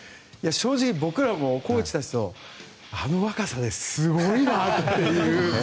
正直、僕らもコーチたちとあの若さですごいなと。